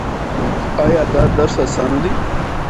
ایا دا درس اسانه دی؟